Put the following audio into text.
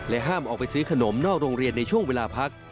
ห้ามออกไปซื้อขนมนอกโรงเรียนในช่วงเวลาพัก